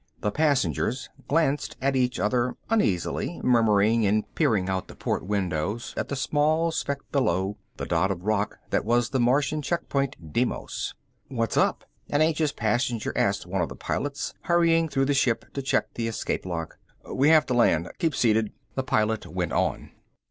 The passengers glanced at each other uneasily, murmuring and peering out the port windows at the small speck below, the dot of rock that was the Martian checkpoint, Deimos. "What's up?" an anxious passenger asked one of the pilots, hurrying through the ship to check the escape lock. "We have to land. Keep seated." The pilot went on.